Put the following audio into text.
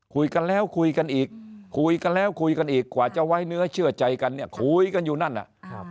คุยกันแล้วคุยกันอีกคุยกันแล้วคุยกันอีกกว่าจะไว้เนื้อเชื่อใจกันเนี่ยคุยกันอยู่นั่นน่ะ